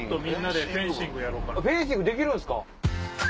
フェンシングできるんすか？